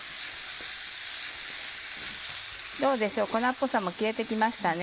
どうでしょう粉っぽさも消えて来ましたね。